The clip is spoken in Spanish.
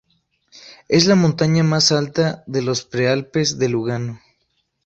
Es la montaña más alta de los Prealpes de Lugano.